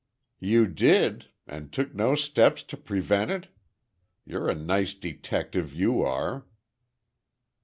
"You did! And took no steps to prevent it! You're a nice detective, you are.